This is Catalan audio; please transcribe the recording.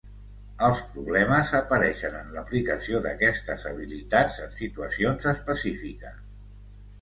Els problemes apareixen en l'aplicació d'aquestes habilitats en situacions específiques.